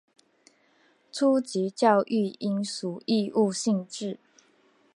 初级教育应属义务性质。